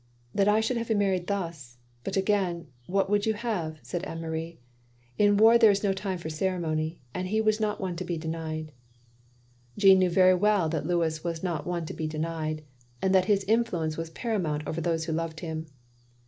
"That I should have married thus! — ^but again, what would you have?" said Anne Marie, "in war there is no time for ceremony; and he was not one to be denied. " Jeanne knew very weill that Louis was not one to be denied, and that his influence was paramount over those who loved him.